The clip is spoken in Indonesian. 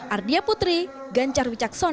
ardia putri ganjar wicaksoni